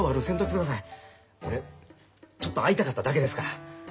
俺ちょっと会いたかっただけですから。